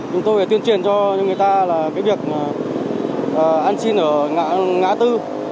chúng tôi phải tuyên truyền cho những người ta về việc ăn xin ở ngã tư